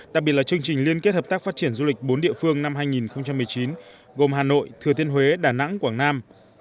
đặc biệt là chương trình liên kết hợp tác phát triển du lịch bốn địa phương năm hai nghìn một mươi chín gồm hà nội thừa thiên huế đà nẵng quảng nam